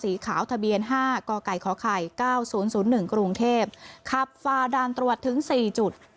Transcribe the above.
สีขาวทะเบียนห้ากอกไก่ขอไข่เก้าศูนย์ศูนย์หนึ่งกรุงเทพที่ขับฝาดารตรวจถึงสี่จุด